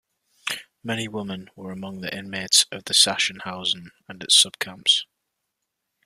Many women were among the inmates of Sachsenhausen and its subcamps.